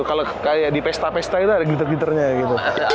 kalau kayak di pesta pesta itu ada glitter glitter nya gitu